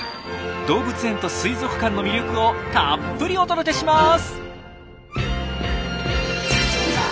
動物園と水族館の魅力をたっぷりお届けします！